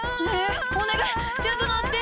お願いちゃんと鳴って！